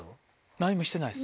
何もしてないです。